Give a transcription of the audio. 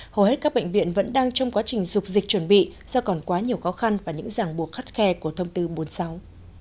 hầu hết các bệnh viện vẫn đang trong quá trình dục dịch chuẩn bị do còn quá nhiều khó khăn và những giảng buộc khắt khe của thông tư bốn mươi sáu